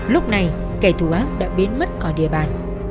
lúc này kẻ thù ác đã biến mất khỏi địa bàn